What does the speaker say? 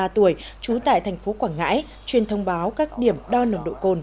ba mươi tuổi trú tại thành phố quảng ngãi chuyên thông báo các điểm đo nồng độ cồn